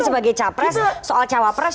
sebagai cawapress soal cawa press